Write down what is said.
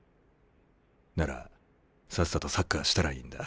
ならさっさとサッカーしたらいいんだ。